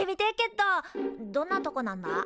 どどんなとこなんだ？